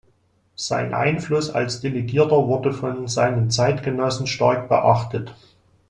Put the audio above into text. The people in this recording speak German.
Sein Einfluss als Delegierter wurde von seinen Zeitgenossen stark beachtet.